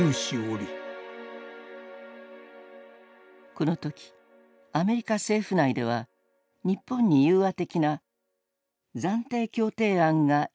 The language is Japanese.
この時アメリカ政府内では日本に宥和的な「暫定協定案」が用意されていた。